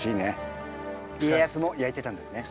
家康も焼いてたんですね。